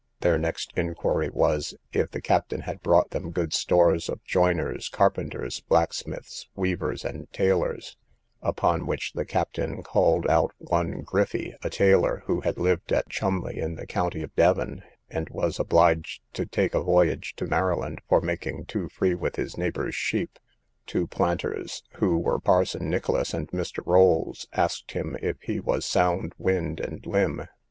Their next inquiry was, if the captain had brought them good store of joiners, carpenters, blacksmiths, weavers, and tailors; upon which the captain called out one Griffy, a tailor, who had lived at Chumleigh, in the county of Devon, and was obliged to take a voyage to Maryland, for making too free with his neighbour's sheep. Two planters, who were parson Nicholas and Mr. Rolls, asked him if he was sound wind and limb?